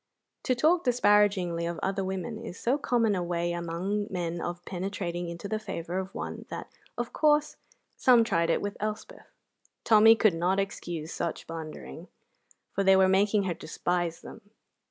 To talk disparagingly of other women is so common a way among men of penetrating into the favour of one that, of course, some tried it with Elspeth. Tommy could not excuse such blundering, for they were making her despise them.